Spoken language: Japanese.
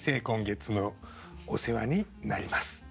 今月もお世話になります。